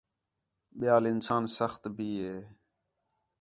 ٻِیال اَنسان سخت بھی ہے